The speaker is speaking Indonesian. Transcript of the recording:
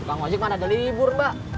tunggak ojak mana ada libur mbak